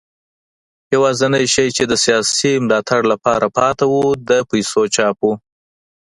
یوازینی شی چې د سیاسي ملاتړ لپاره پاتې و د پیسو چاپ و.